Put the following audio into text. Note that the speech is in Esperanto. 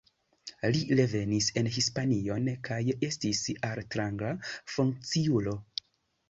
Li revenis en Hispanion kaj estis altranga funkciulo.